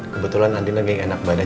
kebetulan nanti lagi enak badan